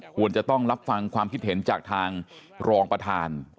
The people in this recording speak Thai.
ควรจะต้องรับฟังความคิดเห็นจากทางรองประธาน